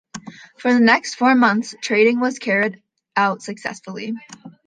For the next four months, trading was carried out successfully.